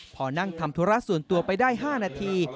พอนั่งทำธุระส่วนตัวไปได้๕นาที